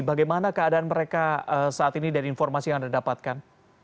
bagaimana keadaan mereka saat ini dari informasi yang anda dapatkan